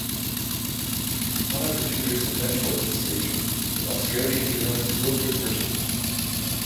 One of her tutors and mentors at the station was Australian journalist Wilfred Burchett.